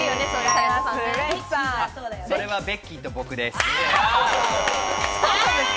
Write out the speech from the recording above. それはベッキーと僕です。